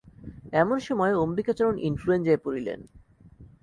এমন সময় অম্বিকাচরণ ইনফ্লুয়েঞ্জায় পড়িলেন।